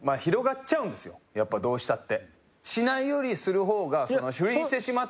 やっぱどうしたって。